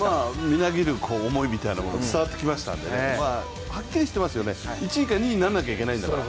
みなぎる思いみたいなものが伝わってきましたので、はっきりしてますよね、１位か２位にならなきゃいけないんだから。